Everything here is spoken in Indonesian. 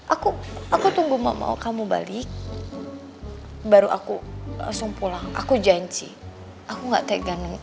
aku aku tunggu mama kamu balik baru aku langsung pulang aku janji aku gak tegang